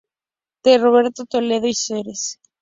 Dr. Roberto Toledo y Sres.